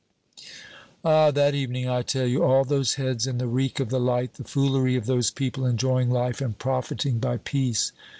"Ah, that evening, I tell you, all those heads in the reek of the light, the foolery of those people enjoying life and profiting by peace!